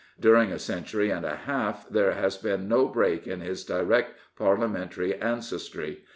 During a century and a half there has been no break in his direct Parliamentary ancestry.